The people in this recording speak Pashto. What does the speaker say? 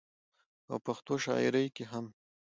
او پښتو شاعرۍ کې هم